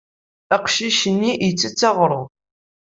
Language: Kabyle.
Aqcic-nni ittett aɣrum.